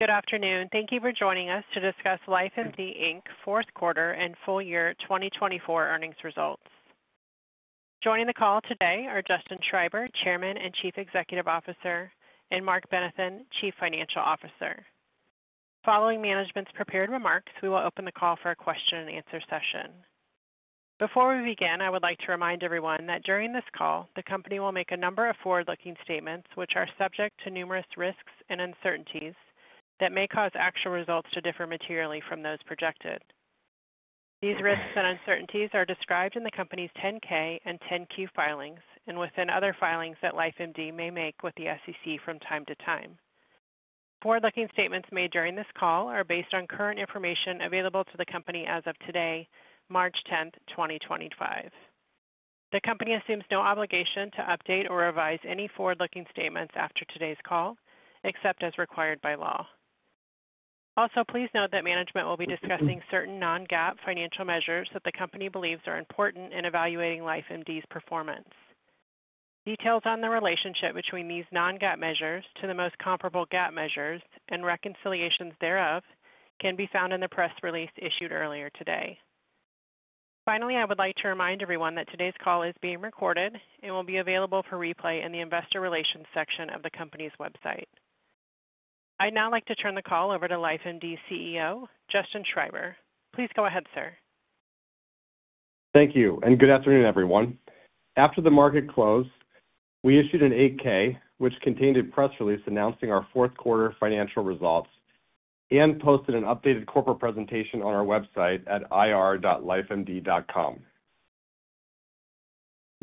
Good afternoon. Thank yi for joining us to discuss LifeMD fourth quarter and full year 2024 earnings results. Joining the call today are Justin Schreiber, Chairman and Chief Executive Officer, and Marc Benathen, Chief Financial Officer. Following management's prepared remarks, we will open the call for a question-and-answer session. Before we begin, I would like to remind everyone that during this call, the company will make a number of forward-looking statements which are subject to numerous risks and uncertainties that may cause actual results to differ materially from those projected. These risks and uncertainties are described in the company's 10-K and 10-Q filings and within other filings that LifeMD may make with the SEC from time to time. Forward-looking statements made during this call are based on current information available to the company as of today, March 10th, 2025. The company assumes no obligation to update or revise any forward-looking statements after today's call, except as required by law. Also, please note that management will be discussing certain non-GAAP financial measures that the company believes are important in evaluating LifeMD's performance. Details on the relationship between these non-GAAP measures to the most comparable GAAP measures and reconciliations thereof can be found in the press release issued earlier today. Finally, I would like to remind everyone that today's call is being recorded and will be available for replay in the investor relations section of the company's website. I'd now like to turn the call over to LifeMD CEO, Justin Schreiber. Please go ahead, sir. Thank you. Good afternoon, everyone. After the market closed, we issued an 8-K which contained a press release announcing our fourth quarter financial results and posted an updated corporate presentation on our website at ir.lifemd.com.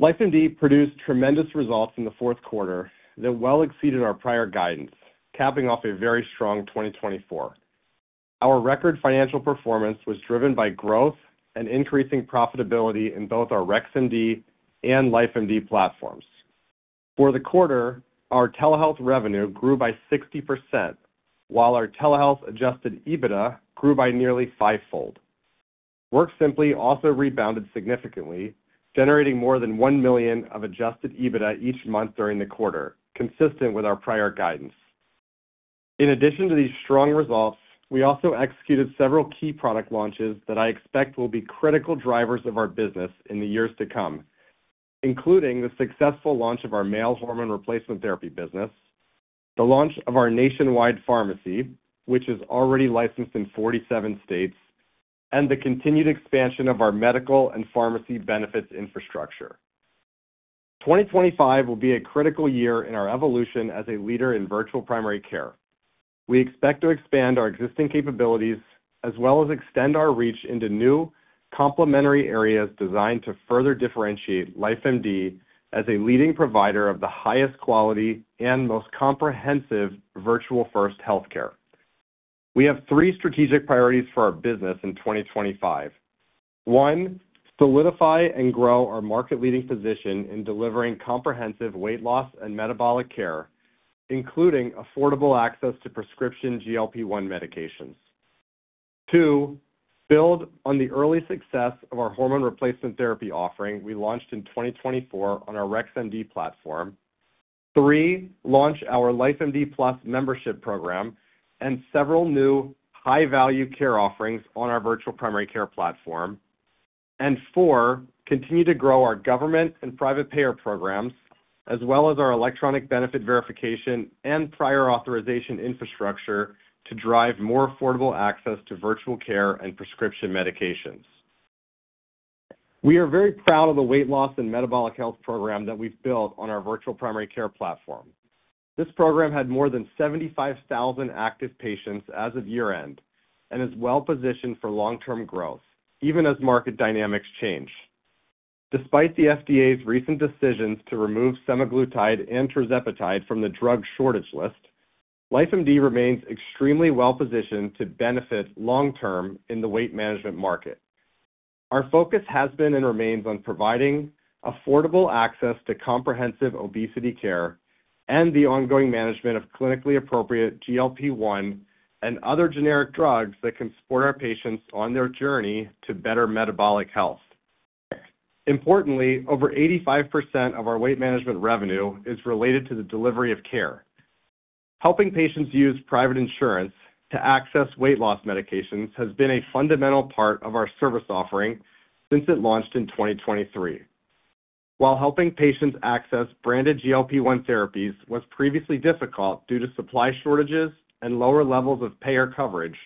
LifeMD produced tremendous results in the fourth quarter that well exceeded our prior guidance, capping off a very strong 2024. Our record financial performance was driven by growth and increasing profitability in both our RexMD and LifeMD platforms. For the quarter, our telehealth revenue grew by 60%, while our telehealth-adjusted EBITDA grew by nearly fivefold. WorkSimpli also rebounded significantly, generating more than $1 million of adjusted EBITDA each month during the quarter, consistent with our prior guidance. In addition to these strong results, we also executed several key product launches that I expect will be critical drivers of our business in the years to come, including the successful launch of our male hormone replacement therapy business, the launch of our nationwide pharmacy, which is already licensed in 47 states, and the continued expansion of our medical and pharmacy benefits infrastructure. 2025 will be a critical year in our evolution as a leader in virtual primary care. We expect to expand our existing capabilities as well as extend our reach into new complementary areas designed to further differentiate LifeMD as a leading provider of the highest quality and most comprehensive virtual-first healthcare. We have three strategic priorities for our business in 2025. One, solidify and grow our market-leading position in delivering comprehensive weight loss and metabolic care, including affordable access to prescription GLP-1 medications. Two, build on the early success of our hormone replacement therapy offering we launched in 2024 on our RexMD platform. Three, launch our LifeMD Plus membership program and several new high-value care offerings on our virtual primary care platform. Four, continue to grow our government and private payer programs as well as our electronic benefit verification and prior authorization infrastructure to drive more affordable access to virtual care and prescription medications. We are very proud of the weight loss and metabolic health program that we've built on our virtual primary care platform. This program had more than 75,000 active patients as of year-end and is well-positioned for long-term growth, even as market dynamics change. Despite the FDA's recent decisions to remove semaglutide and tirzepatide from the drug shortage list, LifeMD remains extremely well-positioned to benefit long-term in the weight management market. Our focus has been and remains on providing affordable access to comprehensive obesity care and the ongoing management of clinically appropriate GLP-1 and other generic drugs that can support our patients on their journey to better metabolic health. Importantly, over 85% of our weight management revenue is related to the delivery of care. Helping patients use private insurance to access weight loss medications has been a fundamental part of our service offering since it launched in 2023. While helping patients access branded GLP-1 therapies was previously difficult due to supply shortages and lower levels of payer coverage,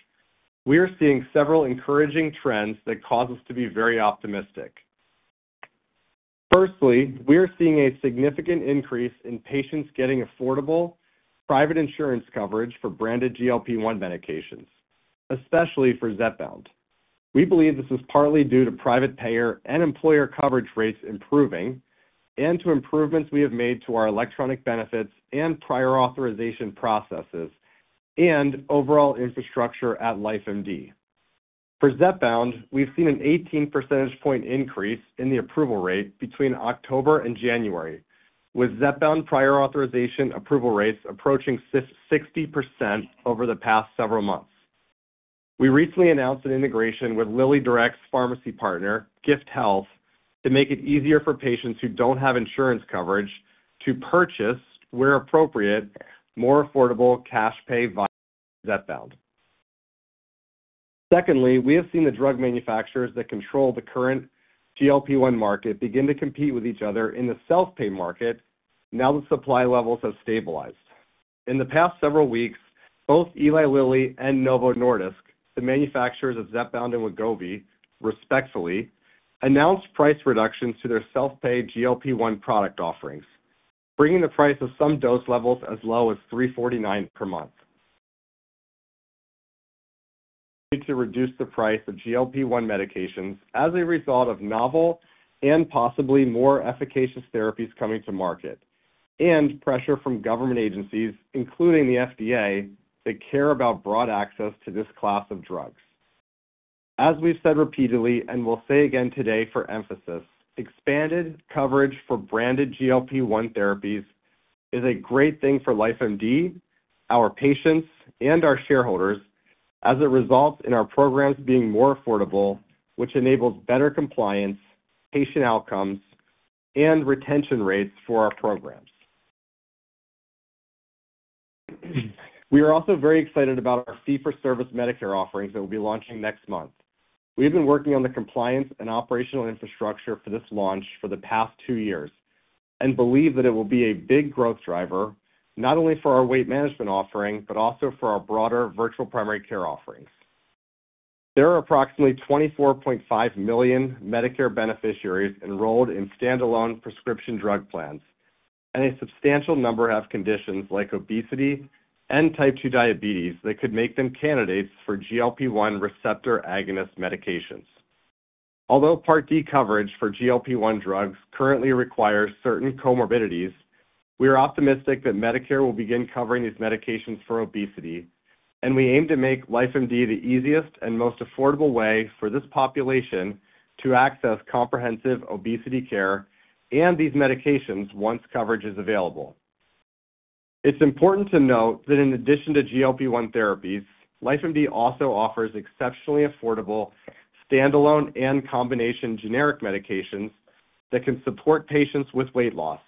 we are seeing several encouraging trends that cause us to be very optimistic. Firstly, we are seeing a significant increase in patients getting affordable private insurance coverage for branded GLP-1 medications, especially for Zepbound. We believe this is partly due to private payer and employer coverage rates improving and to improvements we have made to our electronic benefits and prior authorization processes and overall infrastructure at LifeMD. For Zepbound, we've seen an 18 percentage point increase in the approval rate between October and January, with Zepbound prior authorization approval rates approaching 60% over the past several months. We recently announced an integration with LillyDirect's pharmacy partner, Gifthealth, to make it easier for patients who don't have insurance coverage to purchase, where appropriate, more affordable cash-pay via Zepbound. Secondly, we have seen the drug manufacturers that control the current GLP-1 market begin to compete with each other in the self-pay market now that supply levels have stabilized. In the past several weeks, both Eli Lilly and Novo Nordisk, the manufacturers of Zepbound and Wegovy, respectively announced price reductions to their self-pay GLP-1 product offerings, bringing the price of some dose levels as low as $3.49 per month. To reduce the price of GLP-1 medications as a result of novel and possibly more efficacious therapies coming to market and pressure from government agencies, including the FDA, that care about broad access to this class of drugs. As we've said repeatedly and will say again today for emphasis, expanded coverage for branded GLP-1 therapies is a great thing for LifeMD, our patients, and our shareholders as it results in our programs being more affordable, which enables better compliance, patient outcomes, and retention rates for our programs. We are also very excited about our fee-for-service Medicare offerings that will be launching next month. We have been working on the compliance and operational infrastructure for this launch for the past two years and believe that it will be a big growth driver not only for our weight management offering, but also for our broader virtual primary care offerings. There are approximately 24.5 million Medicare beneficiaries enrolled in standalone prescription drug plans, and a substantial number have conditions like obesity and type 2 diabetes that could make them candidates for GLP-1 receptor agonist medications. Although Part D coverage for GLP-1 drugs currently requires certain comorbidities, we are optimistic that Medicare will begin covering these medications for obesity, and we aim to make LifeMD the easiest and most affordable way for this population to access comprehensive obesity care and these medications once coverage is available. It's important to note that in addition to GLP-1 therapies, LifeMD also offers exceptionally affordable standalone and combination generic medications that can support patients with weight loss,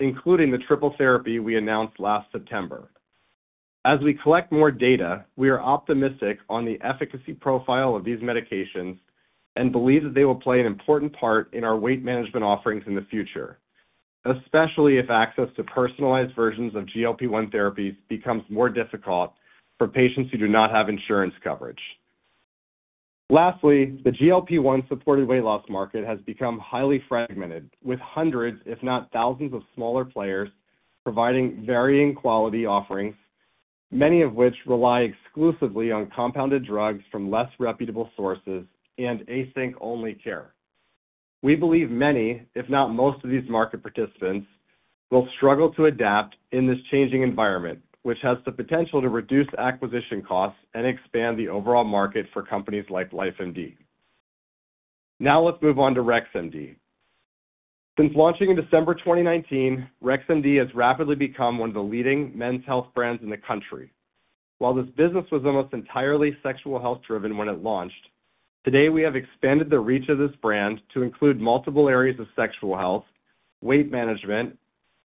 including the triple therapy we announced last September. As we collect more data, we are optimistic on the efficacy profile of these medications and believe that they will play an important part in our weight management offerings in the future, especially if access to personalized versions of GLP-1 therapies becomes more difficult for patients who do not have insurance coverage. Lastly, the GLP-1 supported weight loss market has become highly fragmented, with hundreds, if not thousands, of smaller players providing varying quality offerings, many of which rely exclusively on compounded drugs from less reputable sources and async-only care. We believe many, if not most, of these market participants will struggle to adapt in this changing environment, which has the potential to reduce acquisition costs and expand the overall market for companies like LifeMD. Now let's move on to RexMD. Since launching in December 2019, RexMD has rapidly become one of the leading men's health brands in the country. While this business was almost entirely sexual health-driven when it launched, today we have expanded the reach of this brand to include multiple areas of sexual health, weight management,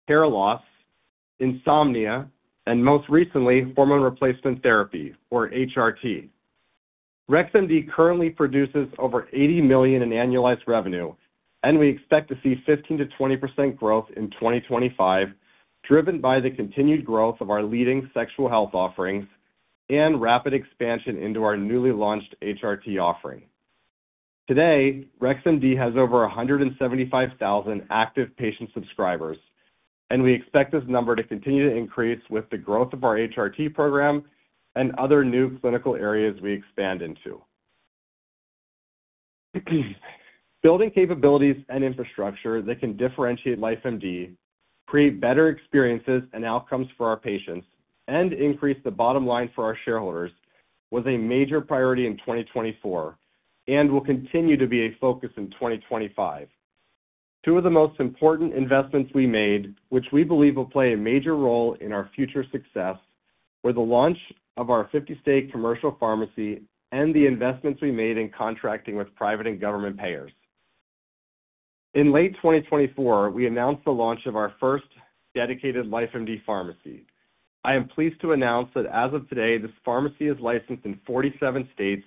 hair loss, insomnia, and most recently, hormone replacement therapy, or HRT. RexMD currently produces over $80 million in annualized revenue, and we expect to see 15%-20% growth in 2025, driven by the continued growth of our leading sexual health offerings and rapid expansion into our newly launched HRT offering. Today, RexMD has over 175,000 active patient subscribers, and we expect this number to continue to increase with the growth of our HRT program and other new clinical areas we expand into. Building capabilities and infrastructure that can differentiate LifeMD, create better experiences and outcomes for our patients, and increase the bottom line for our shareholders was a major priority in 2024 and will continue to be a focus in 2025. Two of the most important investments we made, which we believe will play a major role in our future success, were the launch of our 50-state commercial pharmacy and the investments we made in contracting with private and government payers. In late 2024, we announced the launch of our first dedicated LifeMD pharmacy. I am pleased to announce that as of today, this pharmacy is licensed in 47 states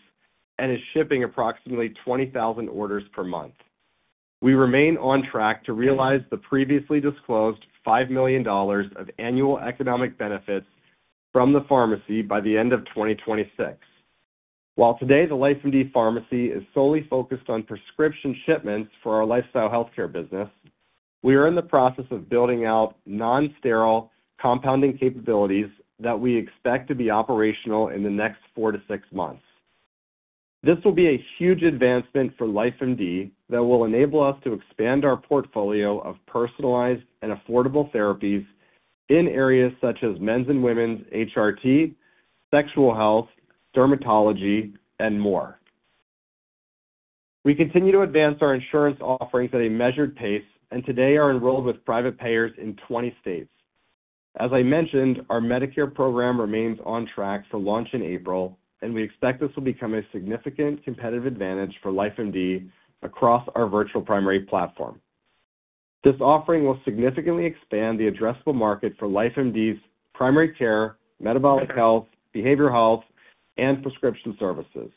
and is shipping approximately 20,000 orders per month. We remain on track to realize the previously disclosed $5 million of annual economic benefits from the pharmacy by the end of 2026. While today the LifeMD pharmacy is solely focused on prescription shipments for our lifestyle healthcare business, we are in the process of building out non-sterile compounding capabilities that we expect to be operational in the next four to six months. This will be a huge advancement for LifeMD that will enable us to expand our portfolio of personalized and affordable therapies in areas such as men's and women's HRT, sexual health, dermatology, and more. We continue to advance our insurance offerings at a measured pace and today are enrolled with private payers in 20 states. As I mentioned, our Medicare program remains on track for launch in April, and we expect this will become a significant competitive advantage for LifeMD across our virtual primary platform. This offering will significantly expand the addressable market for LifeMD's primary care, metabolic health, behavioral health, and prescription services.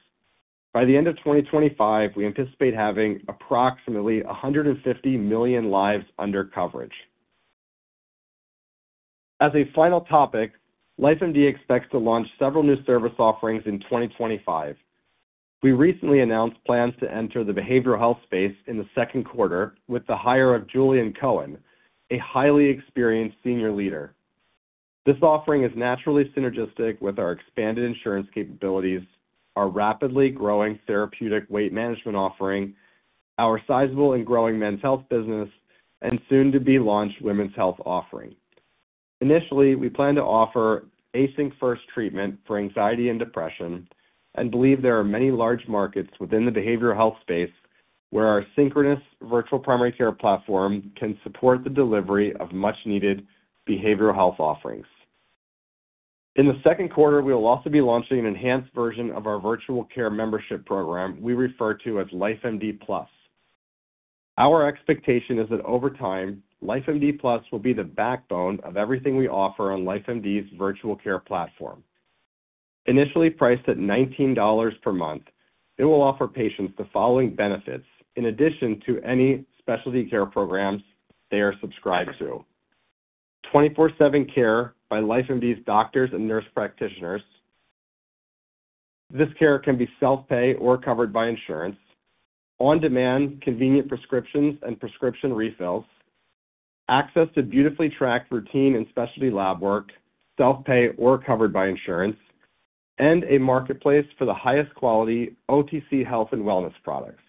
By the end of 2025, we anticipate having approximately 150 million lives under coverage. As a final topic, LifeMD expects to launch several new service offerings in 2025. We recently announced plans to enter the behavioral health space in the second quarter with the hire of Julian Cohen, a highly experienced senior leader. This offering is naturally synergistic with our expanded insurance capabilities, our rapidly growing therapeutic weight management offering, our sizable and growing men's health business, and soon-to-be-launched women's health offering. Initially, we plan to offer async-first treatment for anxiety and depression and believe there are many large markets within the behavioral health space where our synchronous virtual primary care platform can support the delivery of much-needed behavioral health offerings. In the second quarter, we will also be launching an enhanced version of our virtual care membership program we refer to as LifeMD Plus. Our expectation is that over time, LifeMD Plus will be the backbone of everything we offer on LifeMD's virtual care platform. Initially priced at $19 per month, it will offer patients the following benefits in addition to any specialty care programs they are subscribed to: 24/7 care by LifeMD's doctors and nurse practitioners. This care can be self-pay or covered by insurance, on-demand convenient prescriptions and prescription refills, access to beautifully tracked routine and specialty lab work, self-pay or covered by insurance, and a marketplace for the highest quality OTC health and wellness products.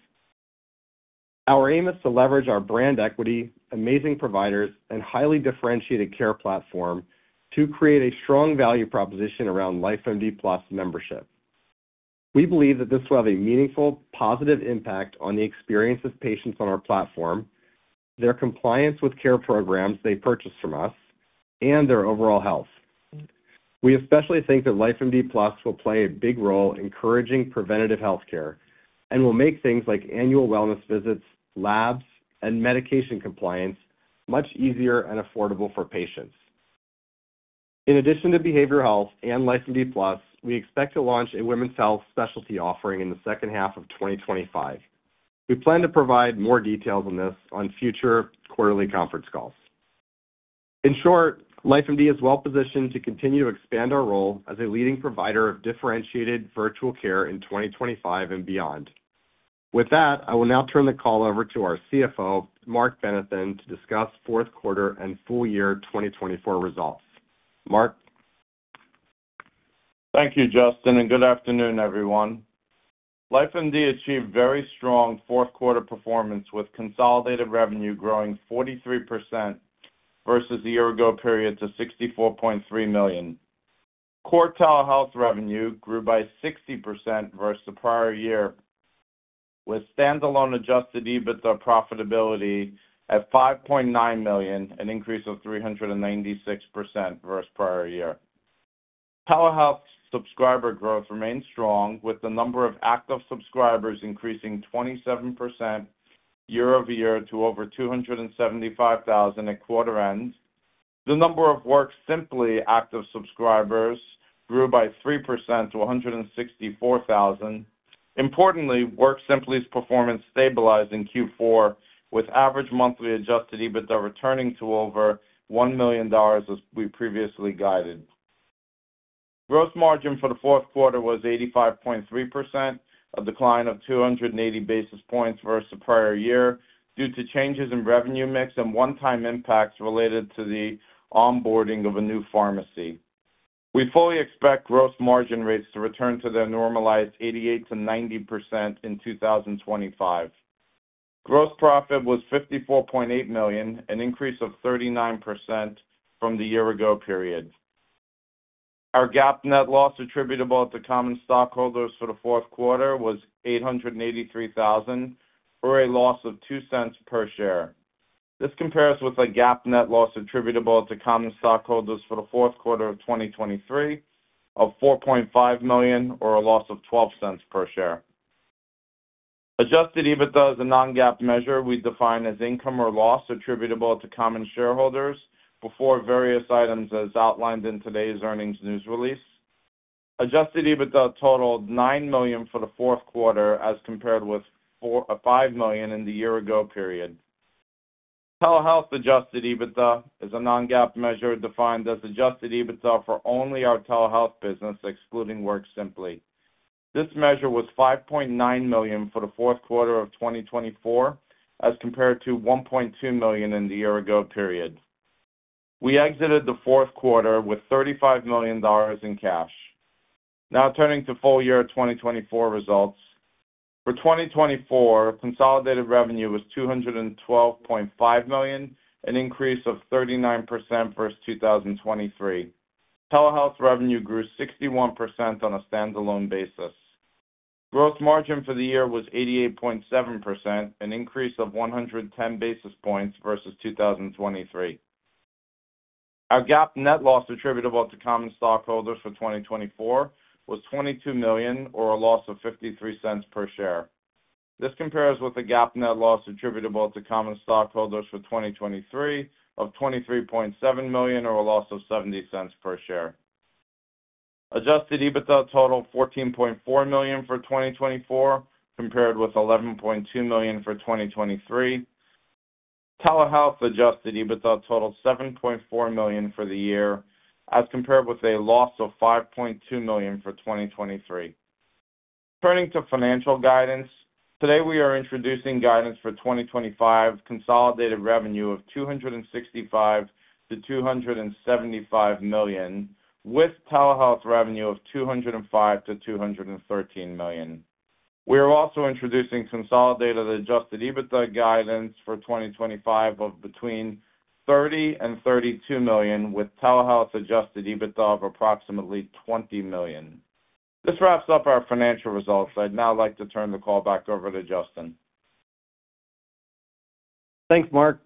Our aim is to leverage our brand equity, amazing providers, and highly differentiated care platform to create a strong value proposition around LifeMD Plus membership. We believe that this will have a meaningful, positive impact on the experience of patients on our platform, their compliance with care programs they purchase from us, and their overall health. We especially think that LifeMD Plus will play a big role encouraging preventative healthcare and will make things like annual wellness visits, labs, and medication compliance much easier and affordable for patients. In addition to behavioral health and LifeMD Plus, we expect to launch a women's health specialty offering in the second half of 2025. We plan to provide more details on this on future quarterly conference calls. In short, LifeMD is well positioned to continue to expand our role as a leading provider of differentiated virtual care in 2025 and beyond. With that, I will now turn the call over to our CFO, Marc Benathen, to discuss fourth quarter and full year 2024 results. Marc. Thank you, Justin, and good afternoon, everyone. LifeMD achieved very strong fourth quarter performance with consolidated revenue growing 43% versus a year ago period to $64.3 million. Core telehealth revenue grew by 60% versus the prior year, with standalone adjusted EBITDA profitability at $5.9 million, an increase of 396% versus prior year. Telehealth subscriber growth remained strong, with the number of active subscribers increasing 27% year over year to over 275,000 at quarter end. The number of WorkSimpli active subscribers grew by 3% to 164,000. Importantly, WorkSimpli's performance stabilized in Q4, with average monthly adjusted EBITDA returning to over $1 million, as we previously guided. Gross margin for the fourth quarter was 85.3%, a decline of 280 basis points versus the prior year due to changes in revenue mix and one-time impacts related to the onboarding of a new pharmacy. We fully expect gross margin rates to return to their normalized 88-90% in 2025. Gross profit was $54.8 million, an increase of 39% from the year ago period. Our GAAP net loss attributable to common stockholders for the fourth quarter was $883,000, or a loss of $0.02 per share. This compares with a GAAP net loss attributable to common stockholders for the fourth quarter of 2023 of $4.5 million, or a loss of $0.12 per share. Adjusted EBITDA is a non-GAAP measure we define as income or loss attributable to common shareholders before various items as outlined in today's earnings news release. Adjusted EBITDA totaled $9 million for the fourth quarter as compared with $5 million in the year ago period. Telehealth adjusted EBITDA is a non-GAAP measure defined as adjusted EBITDA for only our telehealth business, excluding WorkSimpli. This measure was $5.9 million for the fourth quarter of 2024 as compared to $1.2 million in the year ago period. We exited the fourth quarter with $35 million in cash. Now turning to full year 2024 results. For 2024, consolidated revenue was $212.5 million, an increase of 39% versus 2023. Telehealth revenue grew 61% on a standalone basis. Gross margin for the year was 88.7%, an increase of 110 basis points versus 2023. Our GAAP net loss attributable to common stockholders for 2024 was $22 million, or a loss of $0.53 per share. This compares with the GAAP net loss attributable to common stockholders for 2023 of $23.7 million, or a loss of $0.70 per share. Adjusted EBITDA totaled $14.4 million for 2024, compared with $11.2 million for 2023. Telehealth adjusted EBITDA totaled $7.4 million for the year, as compared with a loss of $5.2 million for 2023. Turning to financial guidance, today we are introducing guidance for 2025 consolidated revenue of $265-$275 million, with telehealth revenue of $205-$213 million. We are also introducing consolidated adjusted EBITDA guidance for 2025 of between $30 and $32 million, with telehealth adjusted EBITDA of approximately $20 million. This wraps up our financial results. I'd now like to turn the call back over to Justin. Thanks, Marc.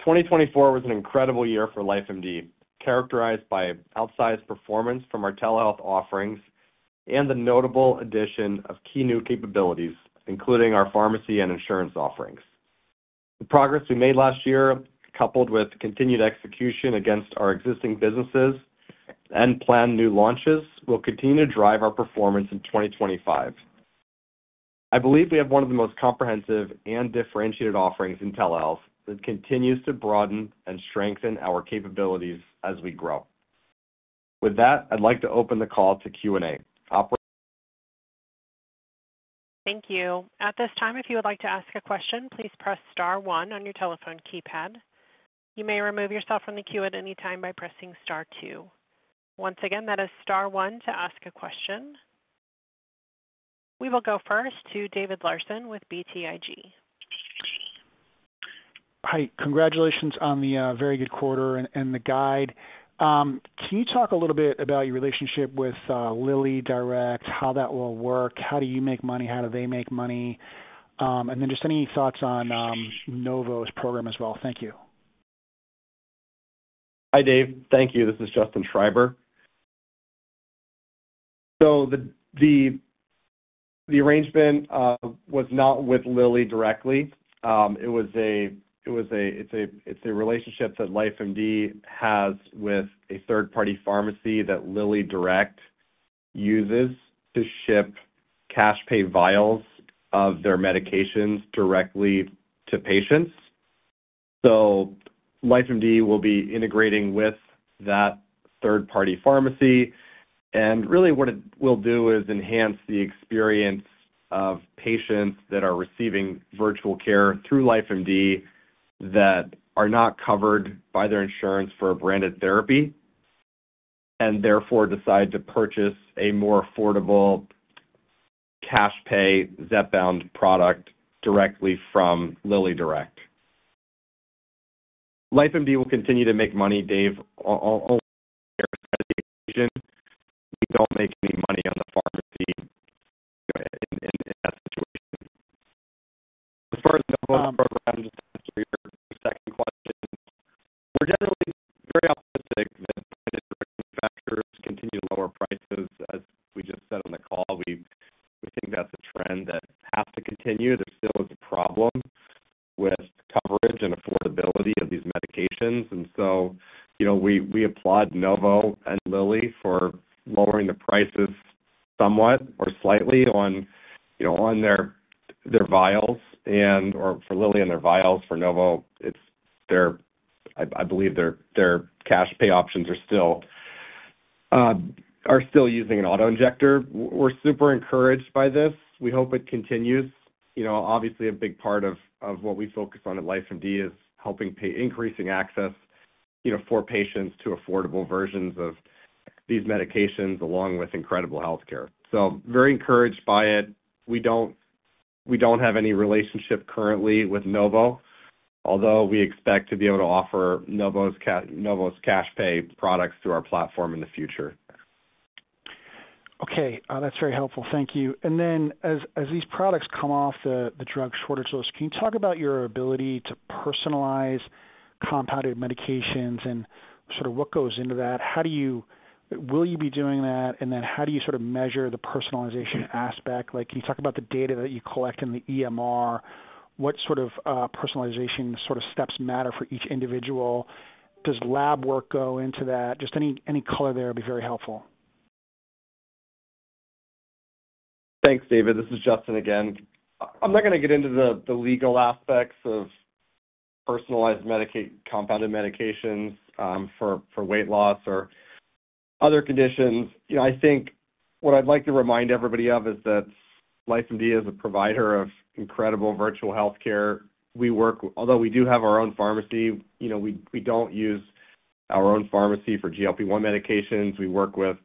2024 was an incredible year for LifeMD, characterized by outsized performance from our telehealth offerings and the notable addition of key new capabilities, including our pharmacy and insurance offerings. The progress we made last year, coupled with continued execution against our existing businesses and planned new launches, will continue to drive our performance in 2025. I believe we have one of the most comprehensive and differentiated offerings in telehealth that continues to broaden and strengthen our capabilities as we grow. With that, I'd like to open the call to Q&A. Thank you. At this time, if you would like to ask a question, please press star one on your telephone keypad. You may remove yourself from the queue at any time by pressing Star 2. Once again, that is star on to ask a question. We will go first to David Larsen with BTIG. Hi. Congratulations on the very good quarter and the guide. Can you talk a little bit about your relationship with LillyDirect, how that will work, how do you make money, how do they make money, and then just any thoughts on Novo's program as well? Thank you. Hi, Dave. Thank you. This is Justin Schreiber. The arrangement was not with LillyDirect. It was a relationship that LifeMD has with a third-party pharmacy that LillyDirect uses to ship cash-pay vials of their medications directly to patients. LifeMD will be integrating with that third-party pharmacy. What it will do is enhance the experience of patients that are receiving virtual care through LifeMD that are not covered by their insurance for branded therapy and therefore decide to purchase a more affordable cash-pay Zepbound product directly from LillyDirect. LifeMD will continue to make money, Dave, only on the merits at the occasion. We do not make any money on the pharmacy in that situation. As far as the NovoCare program, just to answer your second question, we are generally very optimistic that branded therapeutic factors continue to lower prices. As we just said on the call, we think that is a trend that has to continue. There still is a problem with coverage and affordability of these medications. We applaud Novo and Lilly for lowering the prices somewhat or slightly on their vials and/or for Lilly and their vials for Novo. I believe their cash-pay options are still using an auto injector. We're super encouraged by this. We hope it continues. Obviously, a big part of what we focus on at LifeMD is helping increasing access for patients to affordable versions of these medications along with incredible healthcare. Very encouraged by it. We don't have any relationship currently with Novo, although we expect to be able to offer Novo's cash-pay products through our platform in the future. Okay. That's very helpful. Thank you. As these products come off the drug shortage list, can you talk about your ability to personalize compounded medications and sort of what goes into that? Will you be doing that? How do you sort of measure the personalization aspect? Can you talk about the data that you collect in the EMR? What sort of personalization steps matter for each individual? Does lab work go into that? Just any color there would be very helpful. Thanks, David. This is Justin again. I'm not going to get into the legal aspects of personalized compounded medications for weight loss or other conditions. I think what I'd like to remind everybody of is that LifeMD, as a provider of incredible virtual healthcare, although we do have our own pharmacy, we don't use our own pharmacy for GLP-1 medications. We work with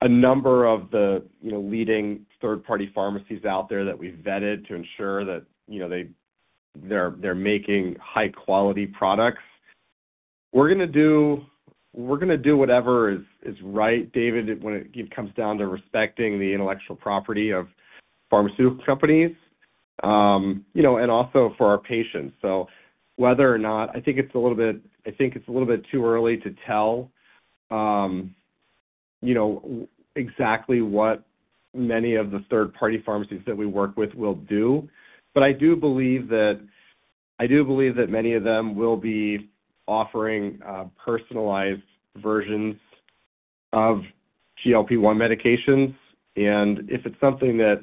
a number of the leading third-party pharmacies out there that we've vetted to ensure that they're making high-quality products. We're going to do whatever is right, David, when it comes down to respecting the intellectual property of pharmaceutical companies and also for our patients. Whether or not I think it's a little bit too early to tell exactly what many of the third-party pharmacies that we work with will do, I do believe that many of them will be offering personalized versions of GLP-1 medications. If it's something that,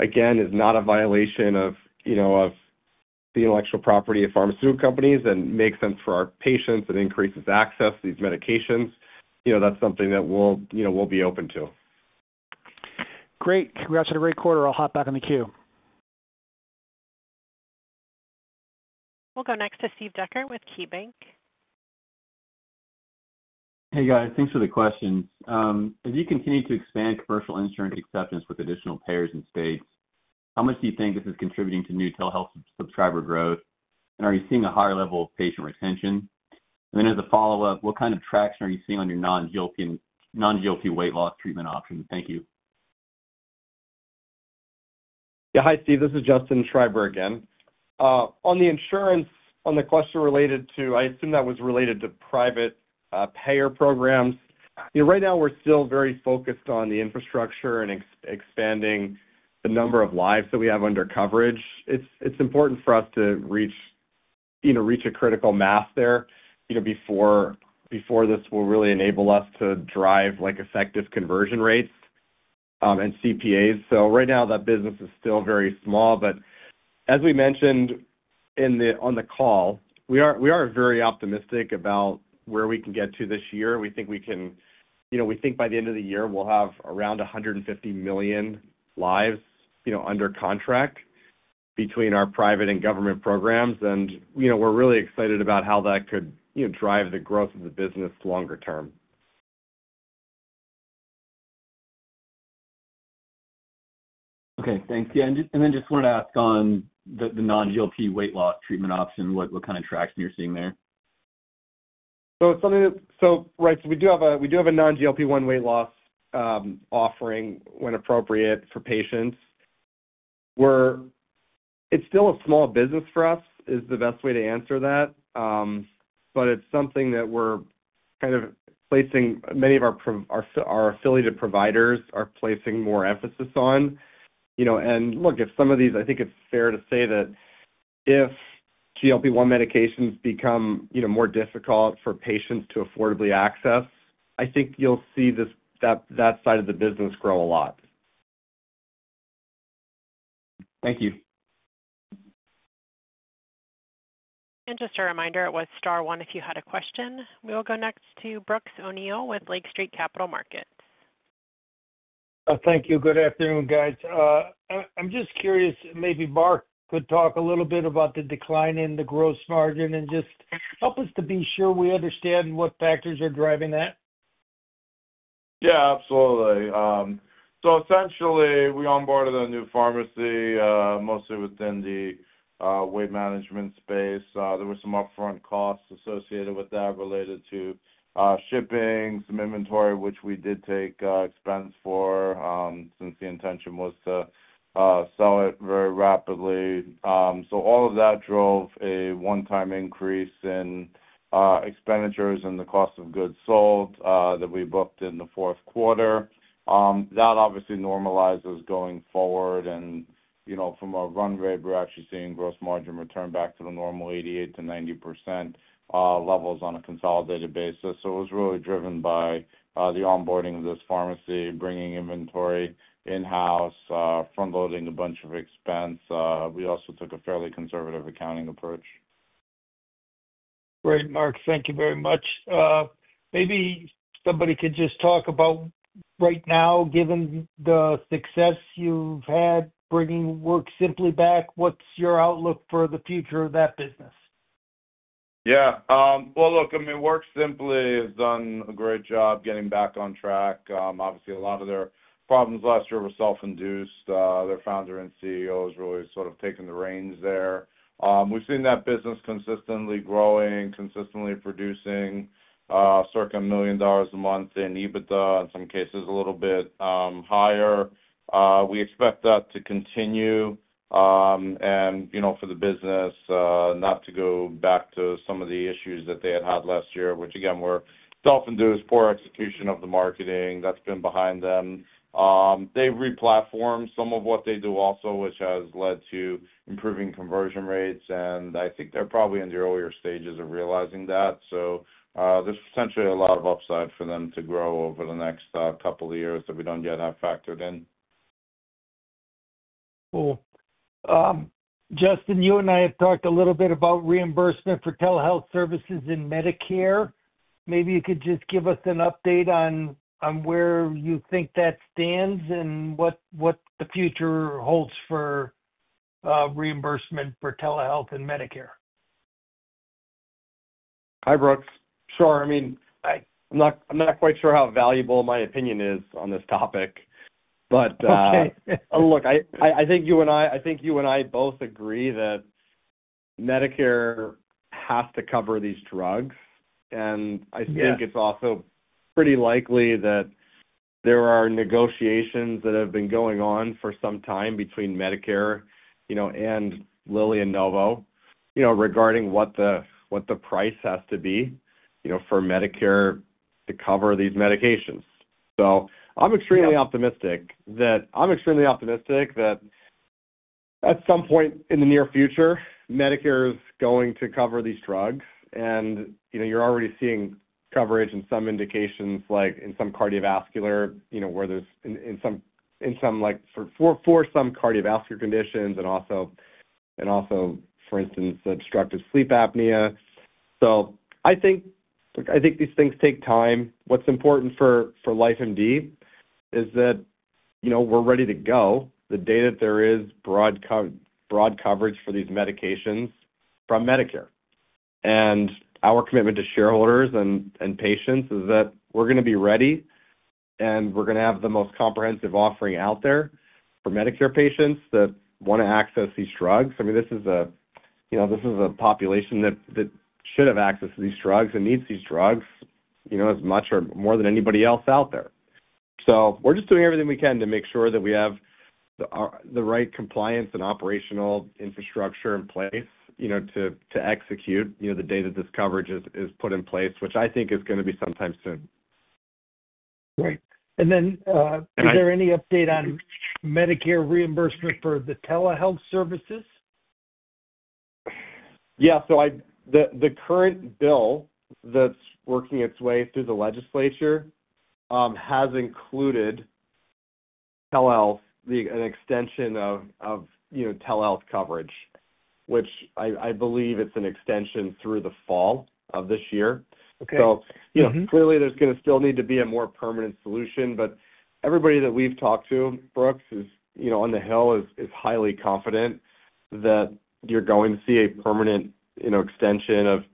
again, is not a violation of the intellectual property of pharmaceutical companies and makes sense for our patients and increases access to these medications, that's something that we'll be open to. Great. Congrats on a great quarter. I'll hop back on the queue. We'll go next to Steve Decker with KeyBanc Capital Markets. Hey, guys. Thanks for the questions. As you continue to expand commercial insurance acceptance with additional payers and states, how much do you think this is contributing to new telehealth subscriber growth? Are you seeing a higher level of patient retention? As a follow-up, what kind of traction are you seeing on your non-GLP-1 weight loss treatment options? Thank you. Yeah. Hi, Steve. This is Justin Schreiber again. On the insurance, on the question related to I assume that was related to private payer programs. Right now, we're still very focused on the infrastructure and expanding the number of lives that we have under coverage. It's important for us to reach a critical mass there before this will really enable us to drive effective conversion rates and CPAs. Right now, that business is still very small. As we mentioned on the call, we are very optimistic about where we can get to this year. We think by the end of the year, we'll have around 150 million lives under contract between our private and government programs. We're really excited about how that could drive the growth of the business longer term. Okay. Thanks. Yeah. I just wanted to ask on the non-GLP-1 weight loss treatment option, what kind of traction you're seeing there? Right. We do have a non-GLP-1 weight loss offering when appropriate for patients. It's still a small business for us is the best way to answer that. It's something that we're kind of placing, and many of our affiliated providers are placing, more emphasis on. Look, I think it's fair to say that if GLP-1 medications become more difficult for patients to affordably access, you'll see that side of the business grow a lot. Thank you. Just a reminder, it is star one if you have a question. We will go next to Brooks O'Neil with Lake Street Capital Markets. Thank you. Good afternoon, guys. I'm just curious, maybe Marc could talk a little bit about the decline in the gross margin and just help us to be sure we understand what factors are driving that. Yeah, absolutely. Essentially, we onboarded a new pharmacy mostly within the weight management space. There were some upfront costs associated with that related to shipping, some inventory, which we did take expense for since the intention was to sell it very rapidly. All of that drove a one-time increase in expenditures and the cost of goods sold that we booked in the fourth quarter. That obviously normalizes going forward. From our run rate, we're actually seeing gross margin return back to the normal 88%-90% levels on a consolidated basis. It was really driven by the onboarding of this pharmacy, bringing inventory in-house, front-loading a bunch of expense. We also took a fairly conservative accounting approach. Great. Marc, thank you very much. Maybe somebody could just talk about right now, given the success you've had bringing WorkSimpli back, what's your outlook for the future of that business? Yeah. I mean, WorkSimpli has done a great job getting back on track. Obviously, a lot of their problems last year were self-induced. Their founder and CEO has really sort of taken the reins there. We've seen that business consistently growing, consistently producing circa $1 million a month in EBITDA, in some cases a little bit higher. We expect that to continue and for the business not to go back to some of the issues that they had had last year, which, again, were self-induced, poor execution of the marketing. That's been behind them. They've replatformed some of what they do also, which has led to improving conversion rates. I think they're probably in the earlier stages of realizing that. There's potentially a lot of upside for them to grow over the next couple of years that we don't yet have factored in. Cool. Justin, you and I have talked a little bit about reimbursement for telehealth services and Medicare. Maybe you could just give us an update on where you think that stands and what the future holds for reimbursement for telehealth and Medicare. Hi, Brooks. Sure. I mean, I'm not quite sure how valuable my opinion is on this topic. Look, I think you and I both agree that Medicare has to cover these drugs. I think it's also pretty likely that there are negotiations that have been going on for some time between Medicare and Lilly and Novo regarding what the price has to be for Medicare to cover these medications. I'm extremely optimistic that at some point in the near future, Medicare is going to cover these drugs. You're already seeing coverage in some indications like in some cardiovascular where there's in some for some cardiovascular conditions and also, for instance, obstructive sleep apnea. I think these things take time. What's important for LifeMD is that we're ready to go. The data there is broad coverage for these medications from Medicare. Our commitment to shareholders and patients is that we're going to be ready, and we're going to have the most comprehensive offering out there for Medicare patients that want to access these drugs. I mean, this is a population that should have access to these drugs and needs these drugs as much or more than anybody else out there. We're just doing everything we can to make sure that we have the right compliance and operational infrastructure in place to execute the data this coverage is put in place, which I think is going to be sometime soon. Right. Is there any update on Medicare reimbursement for the telehealth services? Yeah. The current bill that's working its way through the legislature has included telehealth, an extension of telehealth coverage, which I believe it's an extension through the fall of this year. Clearly, there's going to still need to be a more permanent solution. Everybody that we've talked to, Brooks, who's on the Hill, is highly confident that you're going to see a permanent extension of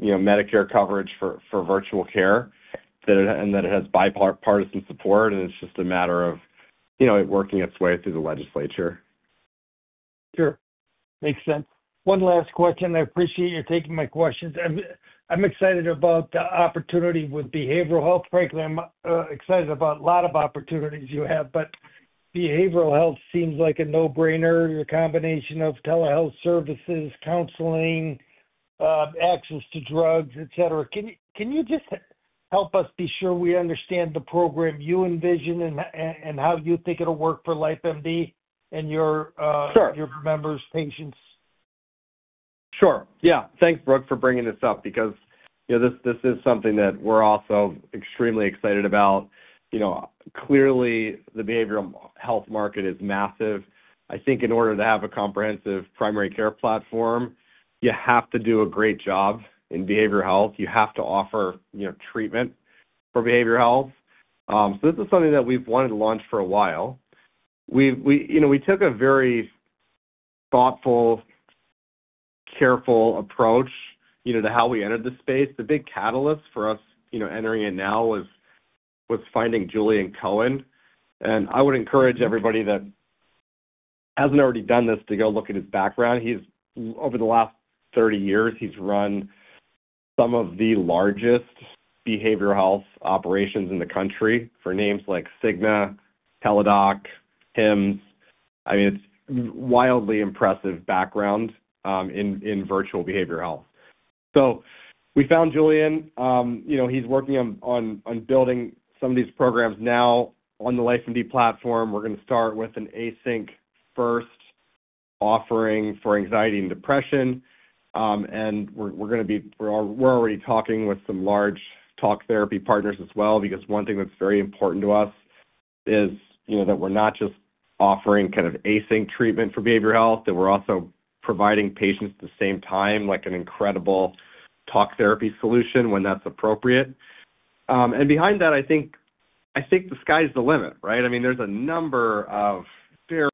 Medicare coverage for virtual care and that it has bipartisan support. It's just a matter of it working its way through the legislature. Sure. Makes sense. One last question. I appreciate you're taking my questions. I'm excited about the opportunity with behavioral health. Frankly, I'm excited about a lot of opportunities you have. Behavioral health seems like a no-brainer, a combination of telehealth services, counseling, access to drugs, etc. Can you just help us be sure we understand the program you envision and how you think it'll work for LifeMD and your members, patients? Sure. Yeah. Thanks, Brooks, for bringing this up because this is something that we're also extremely excited about. Clearly, the behavioral health market is massive. I think in order to have a comprehensive primary care platform, you have to do a great job in behavioral health. You have to offer treatment for behavioral health. This is something that we've wanted to launch for a while. We took a very thoughtful, careful approach to how we entered the space. The big catalyst for us entering it now was finding Julian Cohen. I would encourage everybody that hasn't already done this to go look at his background. Over the last 30 years, he's run some of the largest behavioral health operations in the country for names like Cigna, Teladoc, Hims. I mean, it's a wildly impressive background in virtual behavioral health. We found Julian. He's working on building some of these programs now on the LifeMD platform. We're going to start with an async-first offering for anxiety and depression. We're already talking with some large talk therapy partners as well because one thing that's very important to us is that we're not just offering kind of async treatment for behavioral health, that we're also providing patients at the same time an incredible talk therapy solution when that's appropriate. Behind that, I think the sky's the limit, right? I mean, there's a number of very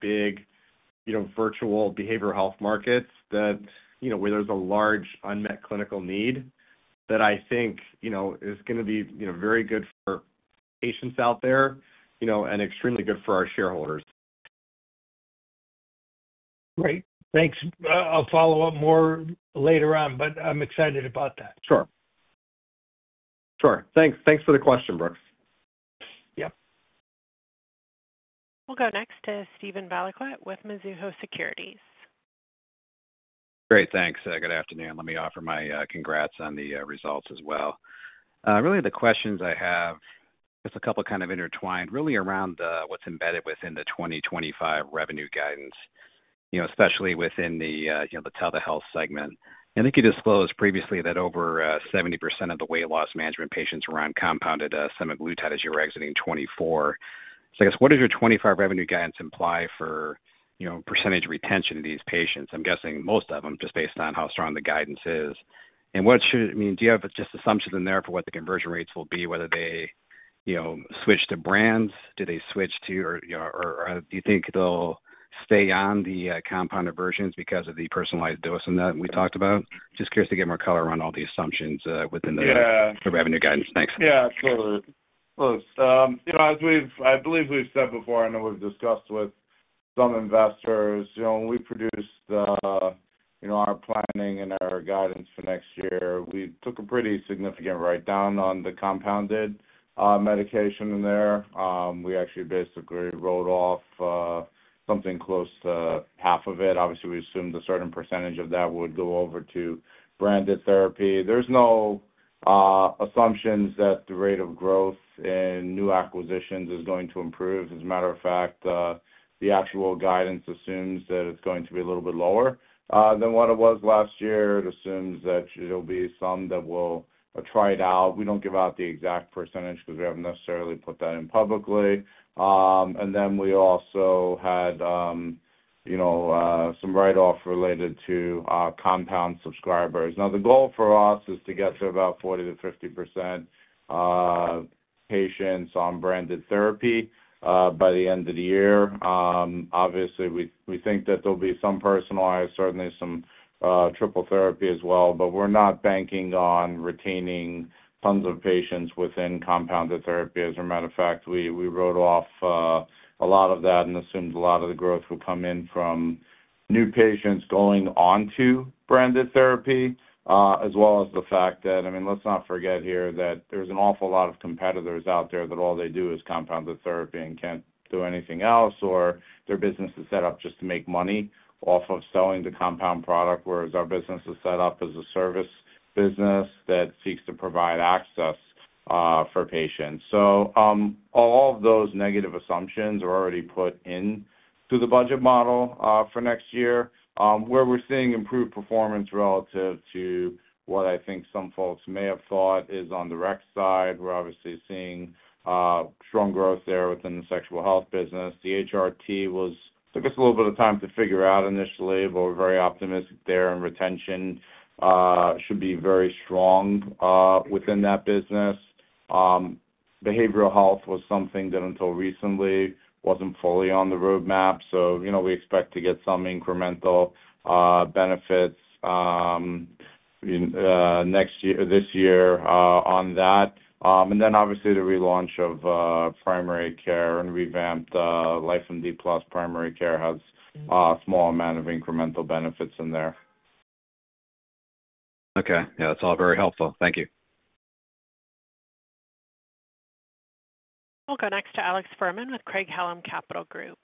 big virtual behavioral health markets where there's a large unmet clinical need that I think is going to be very good for patients out there and extremely good for our shareholders. Right. Thanks. I'll follow up more later on, but I'm excited about that. Sure. Sure. Thanks. Thanks for the question, Brooks. Yep.We'll go next to Steven Valiquette Great. Thanks. Good afternoon. Let me offer my congrats on the results as well. Really, the questions I have, just a couple kind of intertwined, really around what's embedded within the 2025 revenue guidance, especially within the telehealth segment. I think you disclosed previously that over 70% of the weight loss management patients were on compounded semaglutide as you were exiting 2024. I guess, what does your '25 revenue guidance imply for percentage retention of these patients? I'm guessing most of them, just based on how strong the guidance is. What should it mean? Do you have just assumptions in there for what the conversion rates will be, whether they switch to brands? Do they switch to or do you think they'll stay on the compounded versions because of the personalized dose and that we talked about? Just curious to get more color on all the assumptions within the revenue guidance. Thanks. Yeah. Absolutely. Look, as I believe we've said before, I know we've discussed with some investors, when we produced our planning and our guidance for next year, we took a pretty significant write-down on the compounded medication in there. We actually basically wrote off something close to half of it. Obviously, we assumed a certain percentage of that would go over to branded therapy. There's no assumptions that the rate of growth in new acquisitions is going to improve. As a matter of fact, the actual guidance assumes that it's going to be a little bit lower than what it was last year. It assumes that there'll be some that will try it out. We don't give out the exact percentage because we haven't necessarily put that in publicly. We also had some write-off related to compound subscribers. Now, the goal for us is to get to about 40-50% patients on branded therapy by the end of the year. Obviously, we think that there'll be some personalized, certainly some triple therapy as well. We're not banking on retaining tons of patients within compounded therapy. As a matter of fact, we wrote off a lot of that and assumed a lot of the growth would come in from new patients going onto branded therapy, as well as the fact that, I mean, let's not forget here that there's an awful lot of competitors out there that all they do is compounded therapy and can't do anything else, or their business is set up just to make money off of selling the compound product, whereas our business is set up as a service business that seeks to provide access for patients. All of those negative assumptions are already put into the budget model for next year, where we're seeing improved performance relative to what I think some folks may have thought is on the rec side. We're obviously seeing strong growth there within the sexual health business. The HRT took us a little bit of time to figure out initially, but we're very optimistic there and retention should be very strong within that business. Behavioral health was something that until recently wasn't fully on the roadmap. We expect to get some incremental benefits this year on that. Obviously, the relaunch of primary care and revamped LifeMD Plus primary care has a small amount of incremental benefits in there. Okay. Yeah. That's all very helpful. Thank you. We'll go next to Alex Fuhrman with Craig-Hallum Capital Group.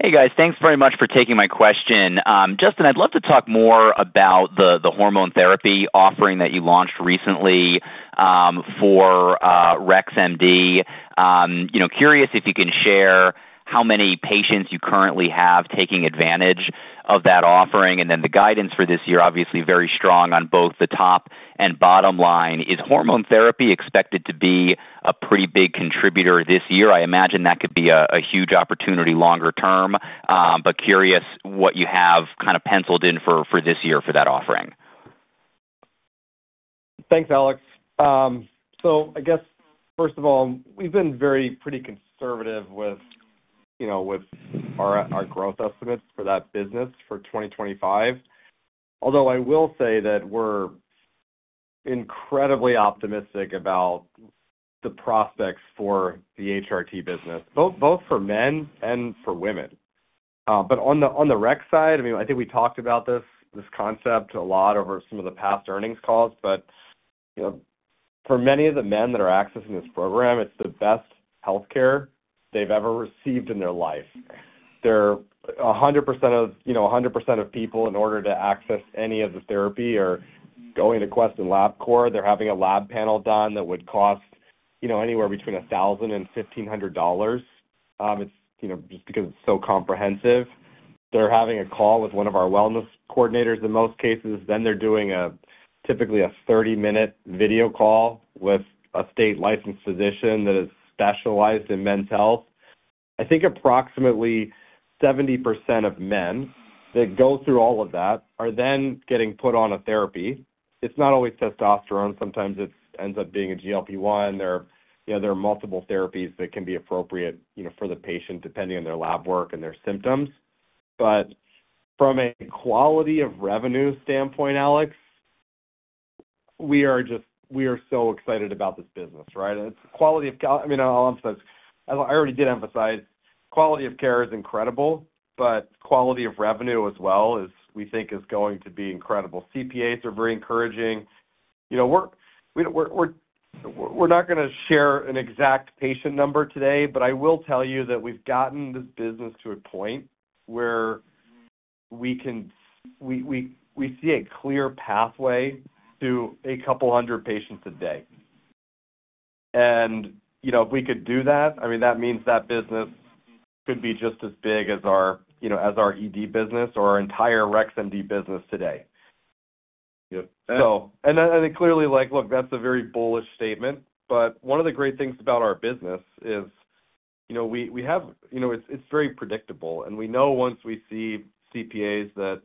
Hey, guys. Thanks very much for taking my question. Justin, I'd love to talk more about the hormone therapy offering that you launched recently for RexMD. Curious if you can share how many patients you currently have taking advantage of that offering. The guidance for this year is obviously very strong on both the top and bottom line. Is hormone therapy expected to be a pretty big contributor this year? I imagine that could be a huge opportunity longer term, but curious what you have kind of penciled in for this year for that offering. Thanks, Alex. First of all, we've been very pretty conservative with our growth estimates for that business for 2025, although I will say that we're incredibly optimistic about the prospects for the HRT business, both for men and for women. On the rec side, I think we talked about this concept a lot over some of the past earnings calls. For many of the men that are accessing this program, it's the best healthcare they've ever received in their life. They're 100% of 100% of people, in order to access any of the therapy or go into Quest and Labcorp, they're having a lab panel done that would cost anywhere between $1,000-$1,500 just because it's so comprehensive. They're having a call with one of our wellness coordinators in most cases. They're doing typically a 30-minute video call with a state-licensed physician that is specialized in men's health. I think approximately 70% of men that go through all of that are then getting put on a therapy. It's not always testosterone. Sometimes it ends up being a GLP-1. There are multiple therapies that can be appropriate for the patient depending on their lab work and their symptoms. From a quality of revenue standpoint, Alex, we are so excited about this business, right? It's quality of—I mean, I'll emphasize. I already did emphasize quality of care is incredible, but quality of revenue as well, we think, is going to be incredible. CPAs are very encouraging. We're not going to share an exact patient number today, but I will tell you that we've gotten this business to a point where we see a clear pathway to a couple hundred patients a day. If we could do that, I mean, that means that business could be just as big as our ED business or our entire RexMD business today. Clearly, look, that's a very bullish statement. One of the great things about our business is we have—it's very predictable. We know once we see CPAs that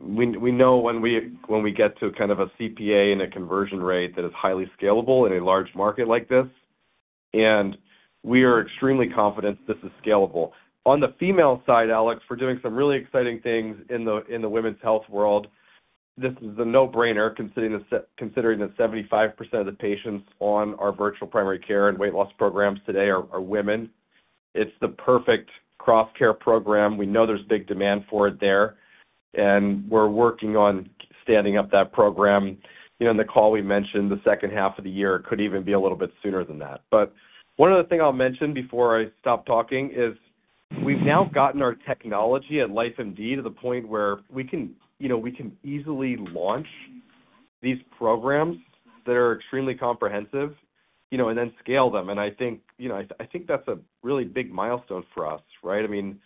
we know when we get to kind of a CPA and a conversion rate that is highly scalable in a large market like this. We are extremely confident this is scalable. On the female side, Alex, we're doing some really exciting things in the women's health world. This is a no-brainer considering that 75% of the patients on our virtual primary care and weight loss programs today are women. It's the perfect cross-care program. We know there's big demand for it there. We're working on standing up that program. In the call, we mentioned the second half of the year could even be a little bit sooner than that. One other thing I'll mention before I stop talking is we've now gotten our technology at LifeMD to the point where we can easily launch these programs that are extremely comprehensive and then scale them. I think that's a really big milestone for us, right? I mean,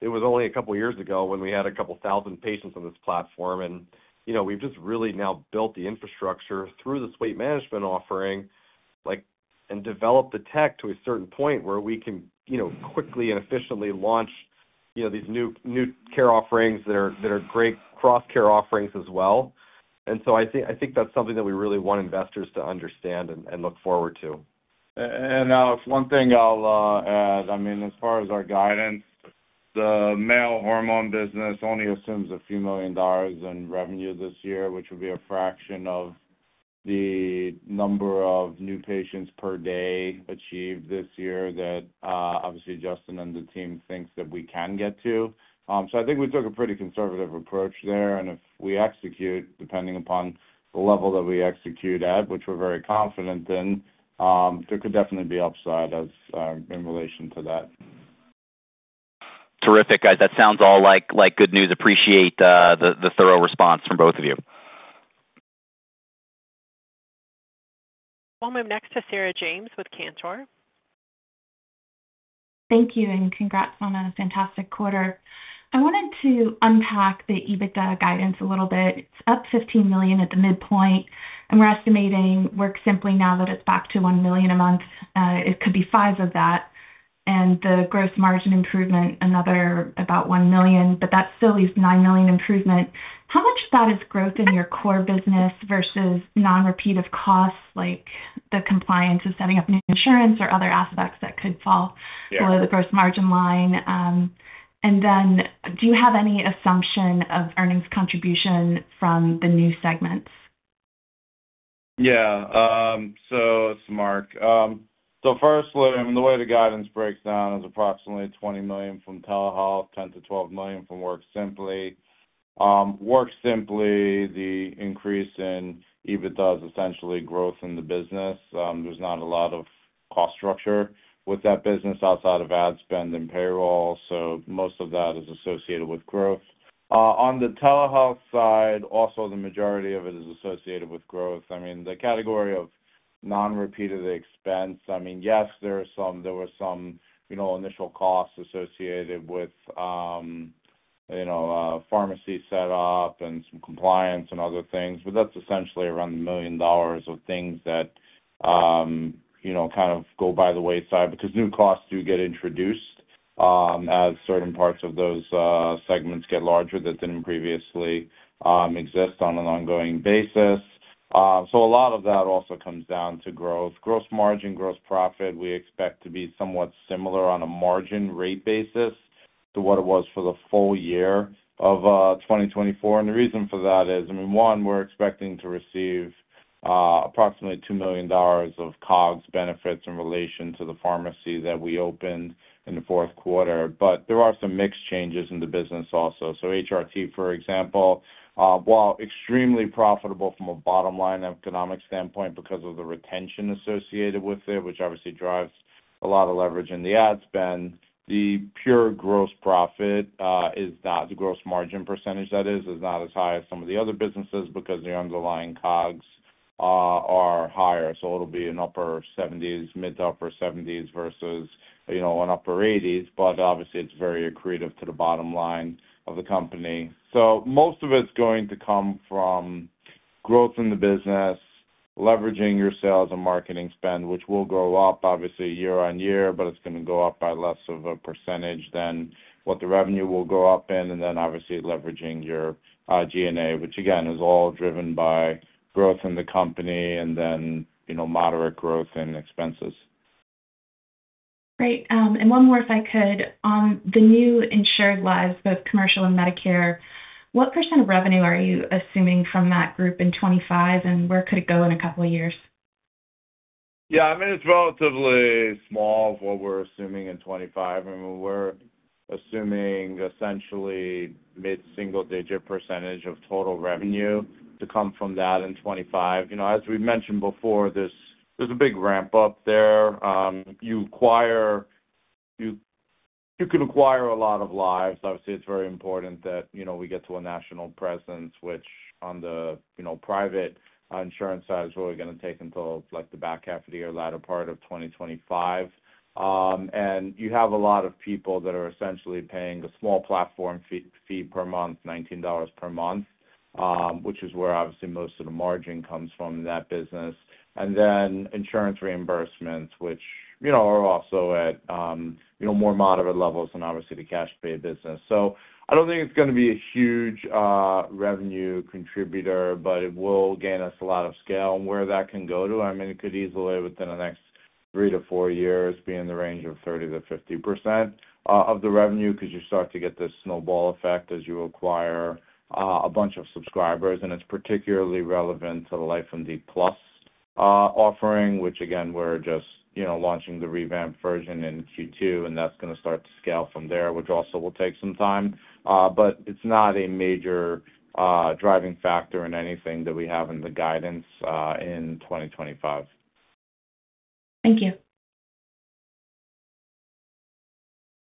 it was only a couple of years ago when we had a couple thousand patients on this platform. We have just really now built the infrastructure through this weight management offering and developed the tech to a certain point where we can quickly and efficiently launch these new care offerings that are great cross-care offerings as well. I think that is something that we really want investors to understand and look forward to. Alex, one thing I'll add, I mean, as far as our guidance, the male hormone business only assumes a few million dollars in revenue this year, which would be a fraction of the number of new patients per day achieved this year that obviously Justin and the team think that we can get to. I think we took a pretty conservative approach there. If we execute, depending upon the level that we execute at, which we're very confident in, there could definitely be upside in relation to that. Terrific, guys. That sounds all like good news. Appreciate the thorough response from both of you. We'll move next to Sarah James with Cantor. Thank you. Congrats on a fantastic quarter. I wanted to unpack the EBITDA guidance a little bit. It's up $15 million at the midpoint. We're estimating WorkSimply now that it's back to $1 million a month. It could be $5 million of that. The gross margin improvement, another about $1 million. That still leaves $9 million improvement. How much of that is growth in your core business versus non-repeat of costs like the compliance of setting up new insurance or other aspects that could fall below the gross margin line? Do you have any assumption of earnings contribution from the new segments? Yeah. That is Marc. First, the way the guidance breaks down is approximately $20 million from telehealth, $10-$12 million from WorkSimpli. WorkSimpli, the increase in EBITDA is essentially growth in the business. There is not a lot of cost structure with that business outside of ad spend and payroll. Most of that is associated with growth. On the telehealth side, also the majority of it is associated with growth. The category of non-repeat of the expense, yes, there were some initial costs associated with pharmacy setup and some compliance and other things. That's essentially around the million dollars of things that kind of go by the wayside because new costs do get introduced as certain parts of those segments get larger that did not previously exist on an ongoing basis. A lot of that also comes down to growth. Gross margin, gross profit, we expect to be somewhat similar on a margin rate basis to what it was for the full year of 2024. The reason for that is, I mean, one, we're expecting to receive approximately $2 million of COGS benefits in relation to the pharmacy that we opened in the fourth quarter. There are some mixed changes in the business also. HRT, for example, while extremely profitable from a bottom line economic standpoint because of the retention associated with it, which obviously drives a lot of leverage in the ad spend, the pure gross profit is not—the gross margin percentage that is—is not as high as some of the other businesses because the underlying COGS are higher. It'll be in upper 70s, mid to upper 70s versus an upper 80s. Obviously, it's very accretive to the bottom line of the company. Most of it's going to come from growth in the business, leveraging your sales and marketing spend, which will grow up, obviously, year on year, but it's going to go up by less of a percentage than what the revenue will go up in. Then, obviously, leveraging your G&A, which, again, is all driven by growth in the company and then moderate growth in expenses. Great. One more, if I could. On the new insured lives, both commercial and Medicare, what % of revenue are you assuming from that group in 2025? Where could it go in a couple of years? Yeah. I mean, it's relatively small of what we're assuming in 2025. I mean, we're assuming essentially mid-single-digit % of total revenue to come from that in 2025. As we mentioned before, there's a big ramp up there. You can acquire a lot of lives. Obviously, it's very important that we get to a national presence, which on the private insurance side is really going to take until the back half of the year or latter part of 2025. You have a lot of people that are essentially paying a small platform fee per month, $19 per month, which is where, obviously, most of the margin comes from in that business. Insurance reimbursements, which are also at more moderate levels than, obviously, the cash pay business. I do not think it is going to be a huge revenue contributor, but it will gain us a lot of scale. Where that can go to, I mean, it could easily within the next three to four years be in the range of 30-50% of the revenue because you start to get this snowball effect as you acquire a bunch of subscribers. It is particularly relevant to the LifeMD Plus offering, which, again, we are just launching the revamped version in Q2. That is going to start to scale from there, which also will take some time. It is not a major driving factor in anything that we have in the guidance in 2025. Thank you.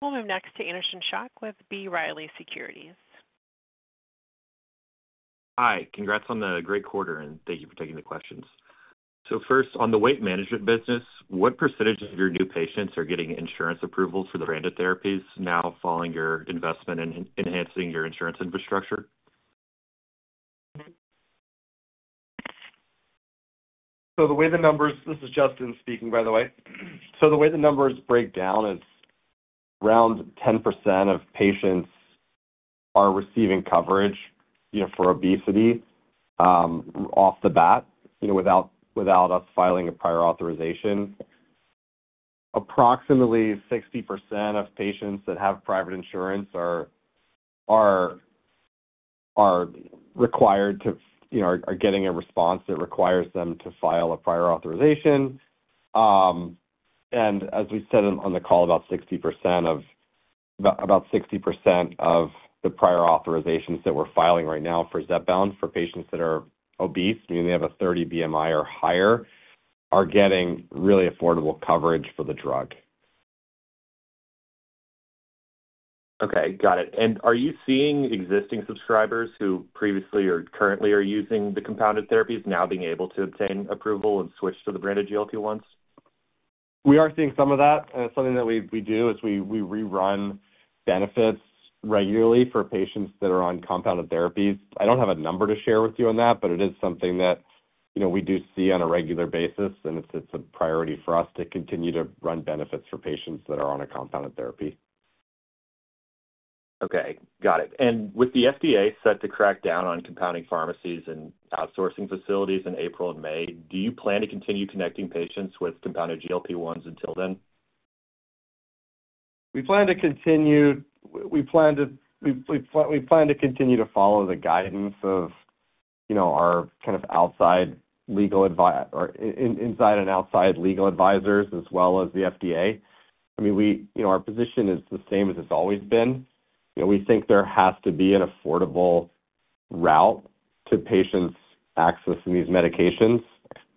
We will move next to Anderson Schock with B. Riley Securities. Hi. Congrats on the great quarter. Thank you for taking the questions. First, on the weight management business, what percentage of your new patients are getting insurance approvals for the branded therapies now following your investment in enhancing your insurance infrastructure? The way the numbers—this is Justin speaking, by the way. The way the numbers break down is around 10% of patients are receiving coverage for obesity off the bat without us filing a prior authorization. Approximately 60% of patients that have private insurance are required to—are getting a response that requires them to file a prior authorization. As we said on the call, about 60% of the prior authorizations that we're filing right now for Zepbound for patients that are obese, meaning they have a 30 BMI or higher, are getting really affordable coverage for the drug. Okay. Got it. Are you seeing existing subscribers who previously or currently are using the compounded therapies now being able to obtain approval and switch to the branded GLP-1s? We are seeing some of that. It is something that we do is we rerun benefits regularly for patients that are on compounded therapies. I do not have a number to share with you on that, but it is something that we do see on a regular basis. It is a priority for us to continue to run benefits for patients that are on a compounded therapy. Okay. Got it. With the FDA set to crack down on compounding pharmacies and outsourcing facilities in April and May, do you plan to continue connecting patients with compounded GLP-1s until then? We plan to continue to follow the guidance of our kind of outside legal, inside and outside legal advisors, as well as the FDA. I mean, our position is the same as it's always been. We think there has to be an affordable route to patients' access in these medications.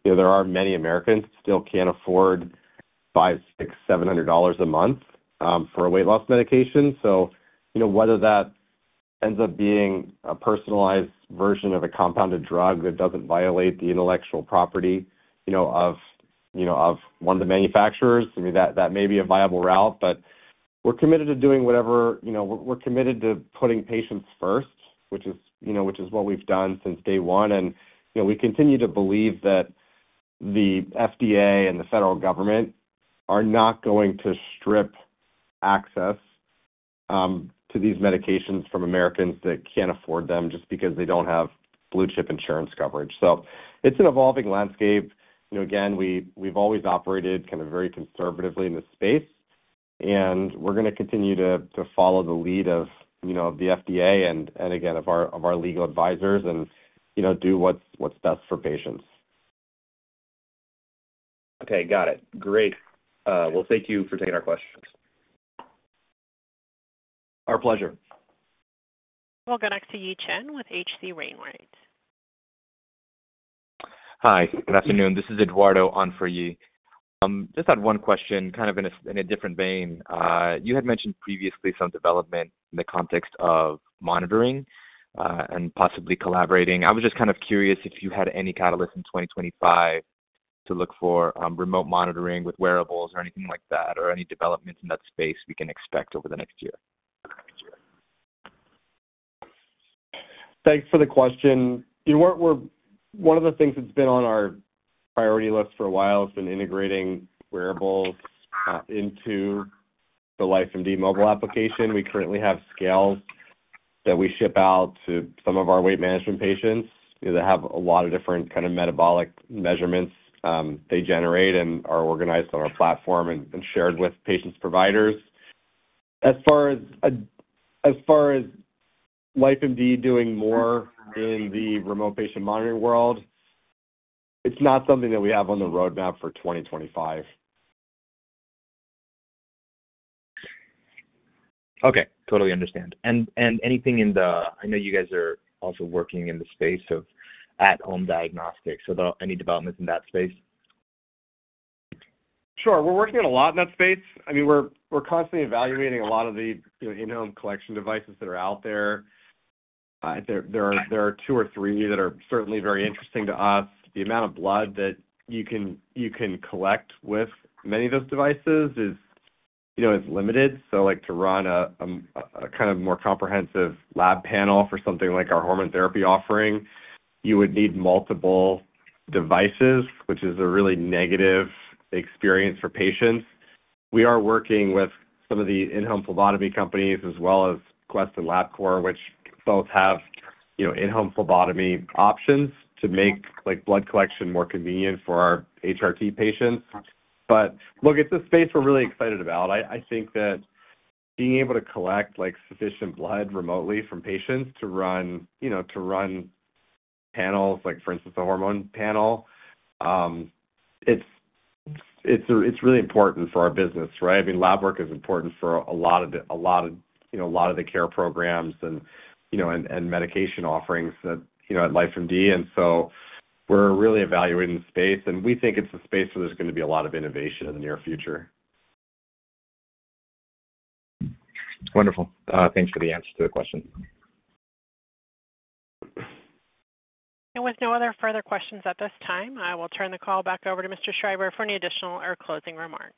There are many Americans that still can't afford $500, $600, $700 a month for a weight loss medication. Whether that ends up being a personalized version of a compounded drug that doesn't violate the intellectual property of one of the manufacturers, I mean, that may be a viable route. We are committed to doing whatever—we're committed to putting patients first, which is what we've done since day one. We continue to believe that the FDA and the federal government are not going to strip access to these medications from Americans that can't afford them just because they don't have blue chip insurance coverage. It's an evolving landscape. Again, we've always operated kind of very conservatively in this space. We're going to continue to follow the lead of the FDA and, again, of our legal advisors and do what's best for patients. Okay. Got it. Great. Thank you for taking our questions. Our pleasure. We'll go next to Yi Chen with H.C. Wainwright. Hi. Good afternoon. This is Eduardo on for you. Just had one question kind of in a different vein. You had mentioned previously some development in the context of monitoring and possibly collaborating. I was just kind of curious if you had any catalysts in 2025 to look for remote monitoring with wearables or anything like that or any developments in that space we can expect over the next year. Thanks for the question. One of the things that's been on our priority list for a while has been integrating wearables into the LifeMD mobile application. We currently have scales that we ship out to some of our weight management patients that have a lot of different kind of metabolic measurements they generate and are organized on our platform and shared with patients' providers. As far as LifeMD doing more in the remote patient monitoring world, it's not something that we have on the roadmap for 2025. Okay. Totally understand. Anything in the—I know you guys are also working in the space of at-home diagnostics. So any developments in that space? Sure. We're working on a lot in that space. I mean, we're constantly evaluating a lot of the in-home collection devices that are out there. There are two or three that are certainly very interesting to us. The amount of blood that you can collect with many of those devices is limited. To run a kind of more comprehensive lab panel for something like our hormone therapy offering, you would need multiple devices, which is a really negative experience for patients. We are working with some of the in-home phlebotomy companies as well as Quest and Labcorp, which both have in-home phlebotomy options to make blood collection more convenient for our HRT patients. Look, it's a space we're really excited about. I think that being able to collect sufficient blood remotely from patients to run panels, for instance, a hormone panel, it's really important for our business, right? I mean, lab work is important for a lot of the—a lot of the care programs and medication offerings at LifeMD. We are really evaluating the space. We think it is a space where there is going to be a lot of innovation in the near future. Wonderful. Thanks for the answer to the question. With no other further questions at this time, I will turn the call back over to Mr. Schreiber for any additional or closing remarks.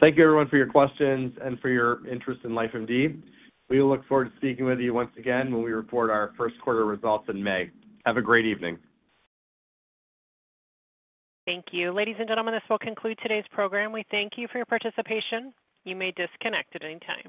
Thank you, everyone, for your questions and for your interest in LifeMD. We look forward to speaking with you once again when we report our first quarter results in May. Have a great evening. Thank you. Ladies and gentlemen, this will conclude today's program. We thank you for your participation. You may disconnect at any time.